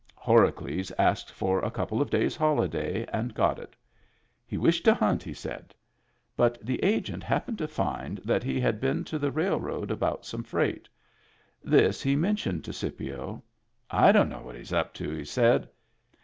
Horacles asked for a couple of days' holiday, and got it. He wished to hunt, he said. But the Agent happened to find that he had been to the railroad about some freight. This he men tioned to Scipio. "I don't know what he's up to," he said.